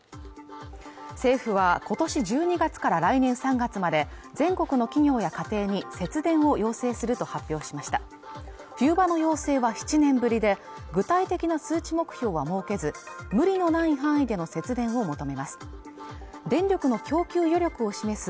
政府は今年１２月から来年３月まで全国の企業や家庭に節電を要請すると発表しました冬場の要請は７年ぶりで具体的な数値目標は設けず無理のない範囲での節電を求めます